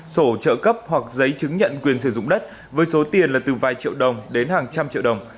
sổ trợ cấp hoặc giấy chứng nhận quyền sử dụng đất với số tiền là từ vài triệu đồng đến hàng trăm triệu đồng